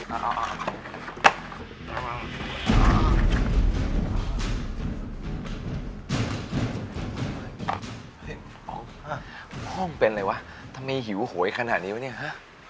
ห้องเป็นอะไรวะทำไมหิวโหยขนาดนี้วะเนี่ยฮะ